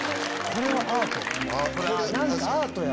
これはアートや。